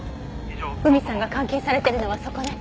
海さんが監禁されてるのはそこね。